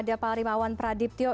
ada pak rimawan pradiptyo